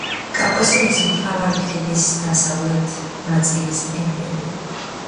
კავკასიონის მთავარი ქედის დასავლეთ ნაწილის ენდემი.